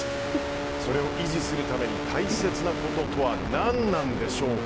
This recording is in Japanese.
それを維持するために大切なこととは何なんでしょうか。